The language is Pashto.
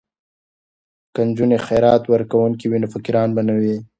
که نجونې خیرات ورکوونکې وي نو فقیران به نه وي.